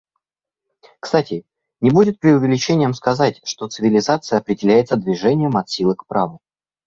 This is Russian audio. Кстати, не будет преувеличением сказать, что цивилизация определяется движением от силы к праву.